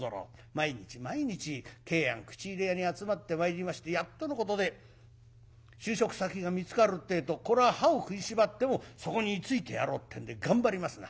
毎日毎日桂庵口入れ屋に集まって参りましてやっとのことで就職先が見つかるってえとこれは歯を食いしばってもそこに居ついてやろうってんで頑張りますな。